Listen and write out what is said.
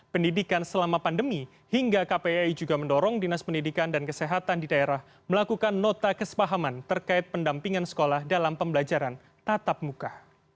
pendidikan selama pandemi hingga kpi juga mendorong dinas pendidikan dan kesehatan di daerah melakukan nota kesepahaman terkait pendampingan sekolah dalam pembelajaran tatap muka